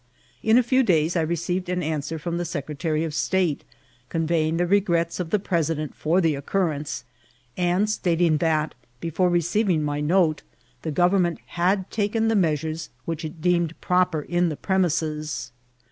In a few days I re ceived an answer from the secretary of state, convey ing the regrets of the president for the occurrence, and stating that, before receiving my note, the government had taken the measures which it deemed proper in the premises.